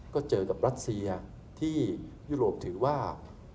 ก็เจอกับรัสเซียที่ยุโรปถือว่า